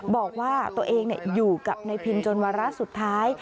บอกว่าตัวเองอยู่กับนายพินจนวาระสุดท้าย